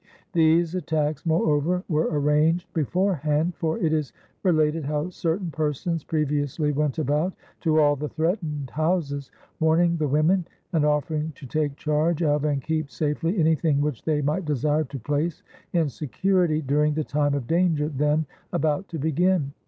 These attacks, moreover, were arranged before hand, for it is related how certain persons previously went about to all the threatened houses, warning the women and "offering to take charge of and keep safely anything which they might desire to place in security during the time of danger then about to begin."